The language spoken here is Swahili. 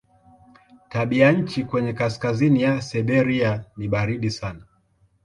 Tabianchi kwenye kaskazini ya Siberia ni baridi sana.